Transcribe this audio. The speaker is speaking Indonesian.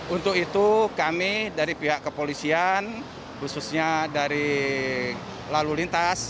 untuk itu kami dari pihak kepolisian khususnya dari lalu lintas